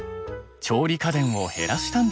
調理家電を減らしたんです。